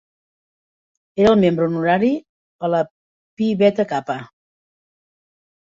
Era membre honorari de la Phi Beta Kappa.